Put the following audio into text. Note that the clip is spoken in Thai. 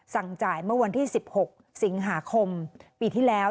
สั่งจ่ายเมื่อวันที่๑๖สิงหาคมปีที่แล้ว